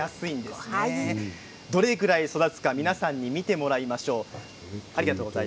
どれぐらい育つか皆さんに見てもらいましょう。